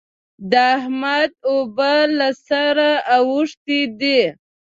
د احمد اوبه له سره اوښتې دي.